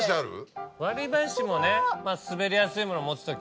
割り箸もね滑りやすいもの持つ時。